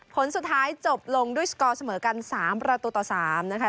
ผลสุดท้ายจบลงด้วยสกอร์เสมอกัน๓ประตูต่อ๓นะคะ